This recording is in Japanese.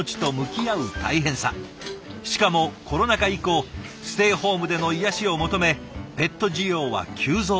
しかもコロナ禍以降ステイホームでの癒やしを求めペット需要は急増。